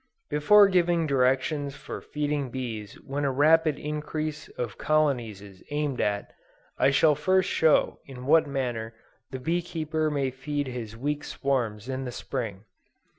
Before giving directions for feeding bees when a rapid increase of colonies is aimed at, I shall first show in what manner the bee keeper may feed his weak swarms in the Spring.